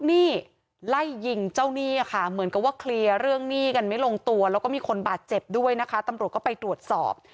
หนี้ไล่ยิงเจ้าหนี้ค่ะเหมือนกับว่าเคลียร์เรื่องหนี้กันไม่ลงตัวแล้วก็มีคนบาดเจ็บด้วยนะคะตำรวจก็ไปตรวจสอบ